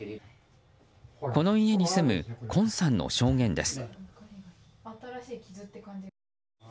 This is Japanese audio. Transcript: この家に住む近さんの証言です。